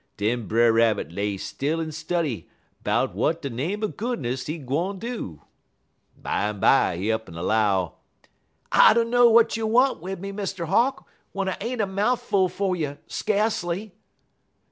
Den Brer Rabbit lay still en study 'bout w'at de name er goodness he gwine do. Bimeby he up'n 'low: "'I dunner w'at you want wid me, Mr. Hawk, w'en I ain't a mouf full fer you, skacely!'